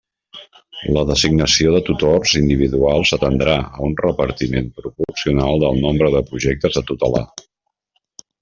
La designació de tutors individuals atendrà a un repartiment proporcional del nombre de projectes a tutelar.